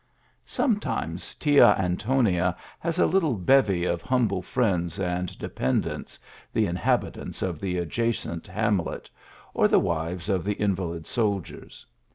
Sometimes Tia Antonia has a little bevy of humble friends and dependants, the inhabit ants of the adjacent hamlet, or the wives of the invalid soldiers.